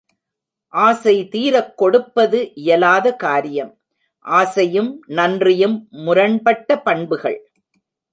ஆசை தீரக் கொடுப்பது இயலாத காரியம். ஆசையும் நன்றியும் முரண்பட்ட பண்புகள்.